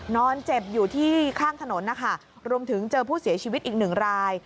นอนเจ็บอยู่ที่ข้างถนนนะคะรวมถึงเจอผู้เสียชีวิตอีกหนึ่งราย